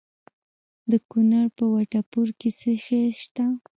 د کونړ په وټه پور کې څه شی شته؟